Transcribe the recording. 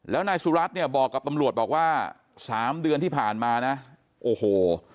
แล้วนายสุรัตน์เนี่ยบอกกับตำรวจบอกว่า๓เดือนที่ผ่านมานะโอ้โห